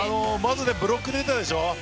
ブロック出たでしょう。